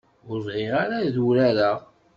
Ur bɣiɣ ara ad urareɣ.